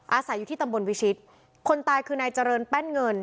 อาศัยอยู่ที่ตำบลวิชิตคนตายคือนายเจริญแป้นเงิน